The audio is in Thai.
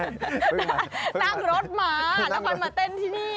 นั่งรถมาแล้วค่อยมาเต้นที่นี่